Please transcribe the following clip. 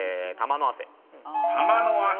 「玉の汗」